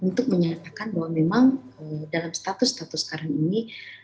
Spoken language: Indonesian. untuk menyatakan bahwa memang dalam status status sekarang ini